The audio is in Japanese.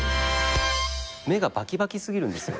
目がバキバキ過ぎるんですよ